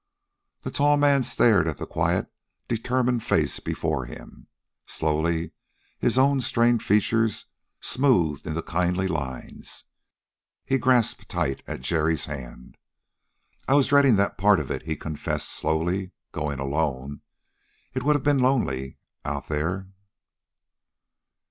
The tall man stared at the quiet, determined face before him. Slowly his own strained features smoothed into kindly lines. He grasped tight at Jerry's hand. "I was dreading that part of it," he confessed slowly: "going alone. It would have been lonely out there...."